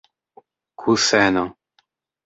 kuseno